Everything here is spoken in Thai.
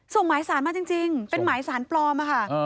หมายสารมาจริงเป็นหมายสารปลอมค่ะ